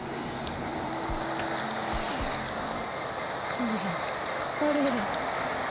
そうやあれや。